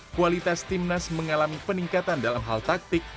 kualitas timnas mengalami peningkatan dalam hal taktik